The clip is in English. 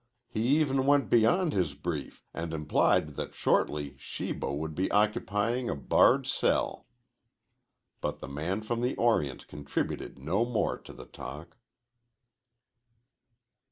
He even went beyond his brief and implied that shortly Shibo would be occupying a barred cell. But the man from the Orient contributed no more to the talk.